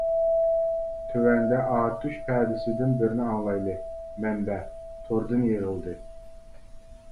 تۆۋەندە ئاتۇش پەدىسىدىن بىرنى ئاڭلايلى مەنبە : توردىن يىغىلدى.